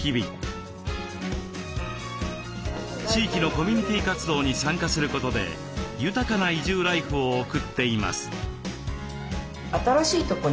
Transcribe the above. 地域のコミュニティー活動に参加することで豊かな移住ライフを送っています。